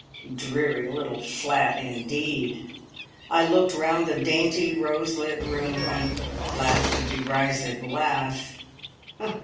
"Dreary little flat, indeed!" I looked round the dainty, rose lit room, and laughed a derisive laugh.